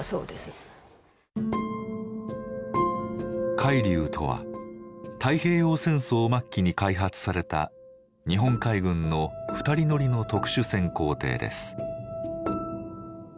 海龍とは太平洋戦争末期に開発された日本海軍の２人乗りの特殊潜航艇です。